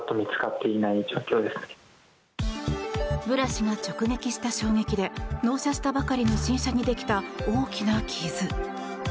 ブラシが直撃した衝撃で納車したばかりの新車にできた大きな傷。